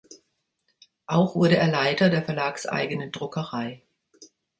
Auch wurde er Leiter der verlagseigenen Druckerei.